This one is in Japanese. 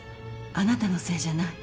あなたのせいじゃない